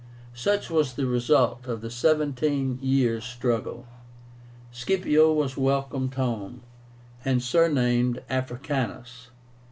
Such was the result of the seventeen years' struggle. Scipio was welcomed home, and surnamed AFRICANUS.